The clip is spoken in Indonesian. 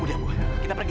udah ayo kita pergi